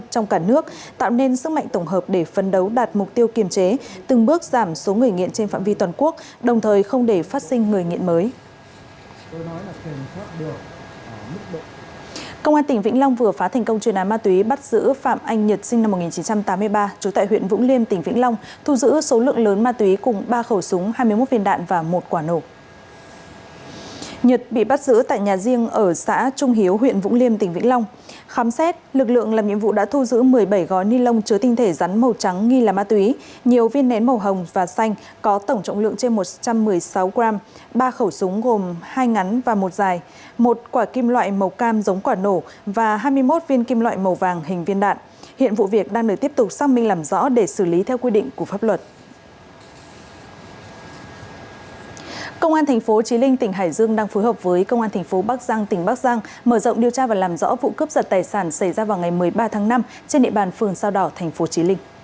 công an tp chí linh tỉnh hải dương đang phối hợp với công an tp bắc giang tỉnh bắc giang mở rộng điều tra và làm rõ vụ cướp giật tài sản xảy ra vào ngày một mươi ba tháng năm trên địa bàn phường sao đỏ tp chí linh